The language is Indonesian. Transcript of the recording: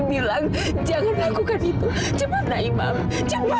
bilang jangan lakukan itu cepat naimam cepat